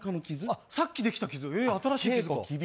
さっきできた傷、新しい傷か。